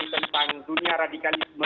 tentang dunia radikalisme ini